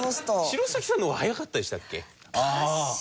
城咲さんの方が早かったでしたっけ？